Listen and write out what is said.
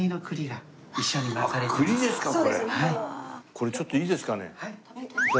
これちょっといいですかね頂いて。